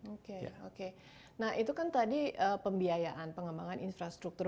oke oke nah itu kan tadi pembiayaan pengembangan infrastruktur